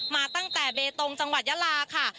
มาตั้งแต่เบตงจังหวัดยาลาค่ะ